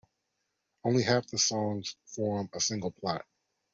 Only half the songs form a single plot.